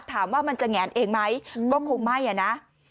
ถามว่ามันจะแงนเองไหมก็คงไม่อ่ะนะ